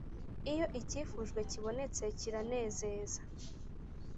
Iyo icyifujwe kibonetse kiranezeza